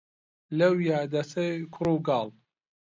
لەویا دەسەی کوڕ و کاڵ